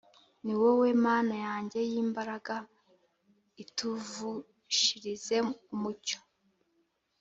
Niwowe mana yanjye y’imbaraga ituvushirize umucyo